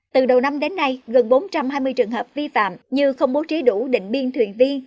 từ đầu năm đến nay gần bốn trăm hai mươi trường hợp vi phạm như không bố trí đủ định biên thuyền viên